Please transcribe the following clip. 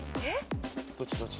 どっちどっち？